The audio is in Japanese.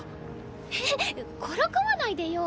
ええっからかわないでよ。